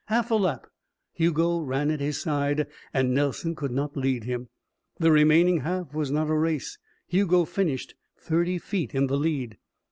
Half a lap. Hugo ran at his side and Nelson could not lead him. The remaining half was not a race. Hugo finished thirty feet in the lead.